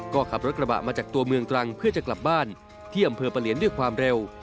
ก็ขับรถกระบะมาจากตัวเมืองตรังเพื่อจะกลับบ้านที่อำเภอประเหลียนด้วยความเร็ว